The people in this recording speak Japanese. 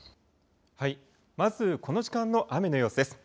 まず、この時間の雨の様子です。